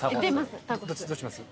どうします？